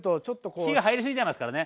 火が入りすぎちゃいますからね。